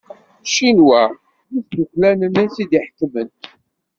Ccinwa d izduklanen i tt-iḥekmen.